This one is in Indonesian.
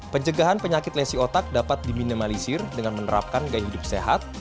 pencegahan penyakit lesi otak dapat diminimalisir dengan menerapkan gaya hidup sehat